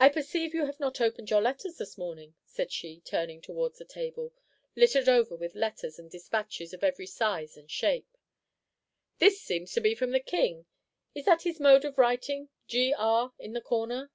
"I perceive you have not opened your letters this morning," said she, turning towards the table, littered over with letters and despatches of every size and shape! "This seems to be from the King, is that his mode of writing 'G. R.' in the corner?"